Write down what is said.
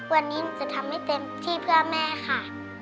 วันนี้หนูจะทำให้เต็มที่เพื่อแม่ค่ะ